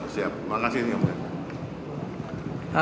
siap makasih ini om pak